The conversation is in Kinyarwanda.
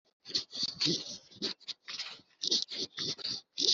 Utuye mu gihugu cyo muri iyi si